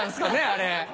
あれ。